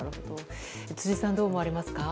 辻さん、どう思われますか？